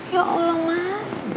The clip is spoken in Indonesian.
ya allah mas